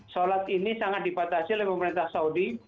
sholat ini sangat dipatasi oleh pemerintah saudi